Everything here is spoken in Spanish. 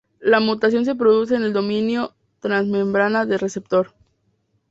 La mutación se produce en el dominio transmembrana del receptor.